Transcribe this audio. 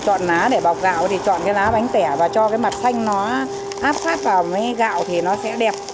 chọn lá để bọc gạo thì chọn cái lá bánh tẻ và cho cái mặt xanh nó áp sát vào mấy gạo thì nó sẽ đẹp